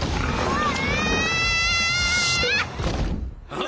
ああ！